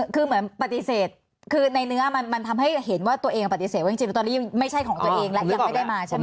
คือเหมือนปฏิเสธคือในเนื้อมันทำให้เห็นว่าตัวเองปฏิเสธว่าจริงลอตเตอรี่ไม่ใช่ของตัวเองและยังไม่ได้มาใช่ไหม